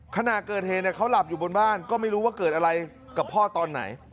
ขณะเกิดเหตุเขาหลับอยู่บนบ้านก็ไม่รู้ว่าเกิดอะไรกับพ่อตอนไหน